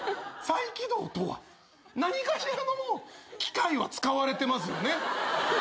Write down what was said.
何かしらの機械は使われてますよね？